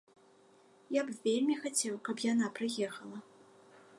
Я б вельмі хацеў, каб яна прыехала.